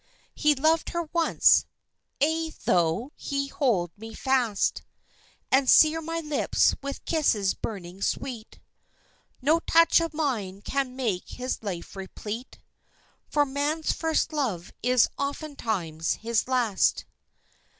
He loved her once. Ay, though he hold me fast And sear my lips with kisses burning sweet, No touch of mine can make his life replete For man's first love is oftentimes his last.